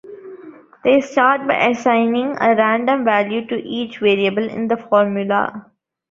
They start by assigning a random value to each variable in the formula.